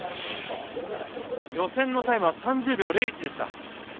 予選のタイムは３０秒０１でした。